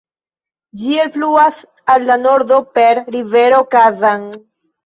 Ĝi elfluas al la nordo per rivero Kazan.